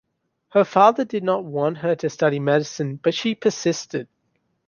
Her father did not want her to study medicine, but she persisted.